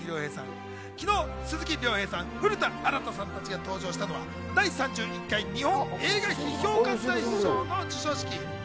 昨日、鈴木亮平さん、古田新太さんたちが登場したのは第３１回日本映画批評家大賞の授賞式。